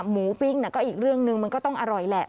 ปิ้งก็อีกเรื่องหนึ่งมันก็ต้องอร่อยแหละ